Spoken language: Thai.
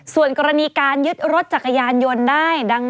ส่วนกรณีการยึดรถจักรยานยนต์ได้